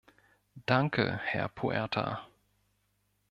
Danke, Herr Puerta.